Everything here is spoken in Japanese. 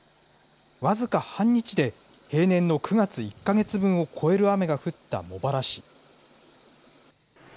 僅か半日で、平年の９月１か月分を超える雨が降った茂原市。